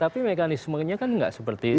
tapi mekanismenya kan nggak seperti itu